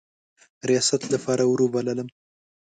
ریاست لپاره وروبللم.